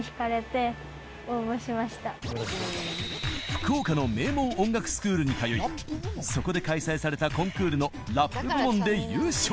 福岡の名門音楽スクールに通いそこで開催されたコンクールのＲＡＰ部門で優勝。